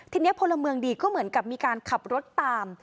ทีนี้พลเมืองดีก็เหมือนกับมีการขับรถตาม